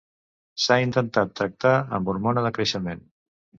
S'ha intentat tractar amb hormona de creixement.